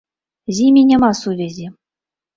З імі няма сувязі.